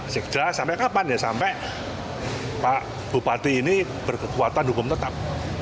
sekda sampai kapan ya sampai pak bupati ini berkekuatan hukum tetap